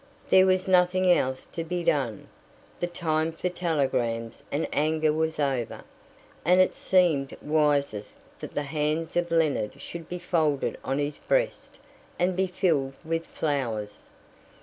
There was nothing else to be done; the time for telegrams and anger was over, and it seemed wisest that the hands of Leonard should be folded on his breast and be filled with flowers.